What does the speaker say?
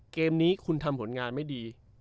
เกมนี้คุณทำผลงานไม่ดี